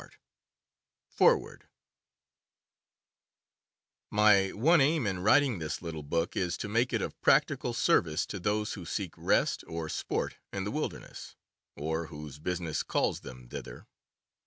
230 FOREWORD MY one aim in writing this little book is to make it of practical service to those who seek rest or sport in the wilderness, or whose business calls them thither.